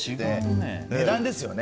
値段ですよね。